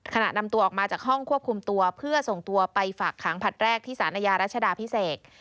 ขณะนำตัวออกมาจากห้องควบคุมตัวเพื่อส่งตัวไปฝากขังผลัดแรกที่สารอาญารัชดาพิเศษ